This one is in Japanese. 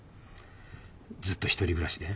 ずっと一人暮らしで？